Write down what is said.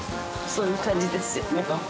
そういう感じですよね。